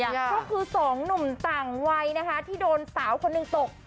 ก็คือสองหนุ่มต่างวัยนะคะที่โดนสาวคนหนึ่งตก